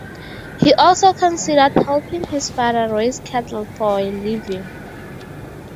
He also considered helping his father raise cattle for a living.